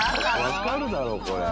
わかるだろうこれ。